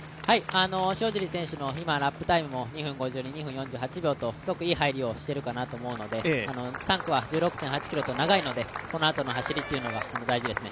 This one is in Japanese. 塩尻選手も２分５２とすごくいい入りをしているかなと思うので、３区は１６．８ｋｍと長いのでこのあとの走りが大事ですね。